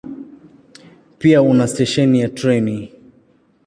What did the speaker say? Pia una stesheni ya treni.